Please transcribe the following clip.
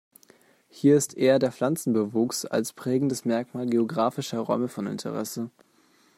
Hier ist eher der Pflanzenbewuchs als prägendes Merkmal geographischer Räume von Interesse.